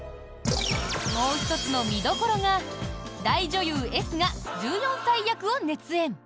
もう１つの見どころが大女優Ｓが１４歳役を熱演。